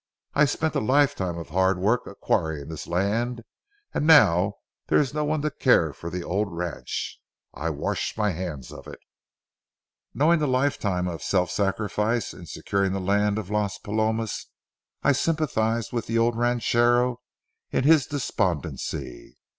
I spent a lifetime of hard work acquiring this land, and now that there is no one to care for the old ranch, I wash my hands of it." Knowing the lifetime of self sacrifice in securing the land of Las Palomas, I sympathized with the old ranchero in his despondency.